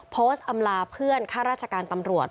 อำลาเพื่อนข้าราชการตำรวจ